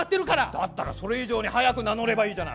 だったらそれ以上に早く名乗ればいいじゃない。